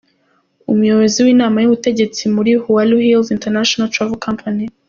Umuyobozi w’Inama y’Ubutegetsi muri Hualu Hills International Travel Co.